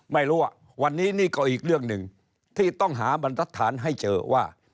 ไม่รู้ว่าวันนี้นี่ก็อีกเรื่องหนึ่งที่ต้องหาบรรทัศน์ให้เจอว่า